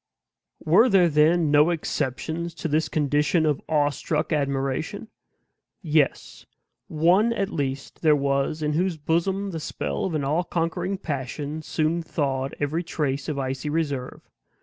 Were there, then, no exceptions to this condition of awestruck admiration? Yes; one at least there was in whose bosom the spell of all conquering passion soon thawed every trace of icy reserve.